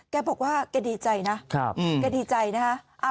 แกบอกว่าแกดีใจนะแกดีใจนะฮะ